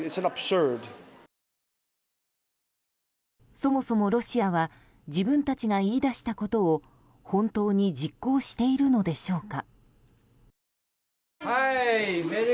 そもそもロシアは自分たちが言い出したことを本当に実行しているのでしょうか。